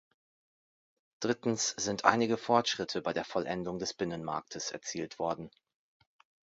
Drittens sind einige Fortschritte bei der Vollendung des Binnenmarktes erzielt worden.